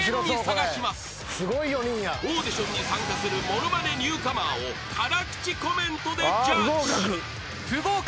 ［オーディションに参加するものまねニューカマーを辛口コメントでジャッジ］